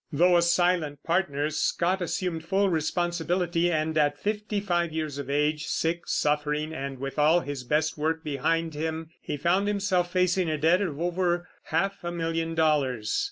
Though a silent partner, Scott assumed full responsibility, and at fifty five years of age, sick, suffering, and with all his best work behind him, he found himself facing a debt of over half a million dollars.